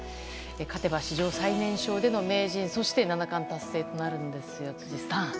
勝てば史上最年少での名人そして七冠達成となるんですが辻さん。